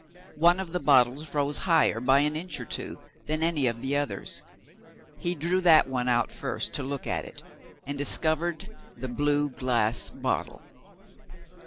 One of the bottles rose higher by an inch or two than any of the others. He drew that one out first to look at it, and discovered the "blue glass bottle."